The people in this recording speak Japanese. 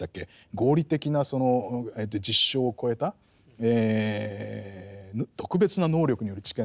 合理的な実証を超えた特別な能力による知見とかいうですね